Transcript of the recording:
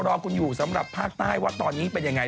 รอคุณอยู่สำหรับภาคใต้ว่าตอนนี้เป็นยังไง